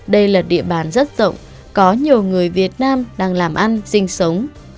đây là địa bàn rất rộng có nhiều người việt nam đang làm ăn sinh sống